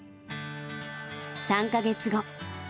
３か月後。